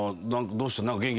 どうした？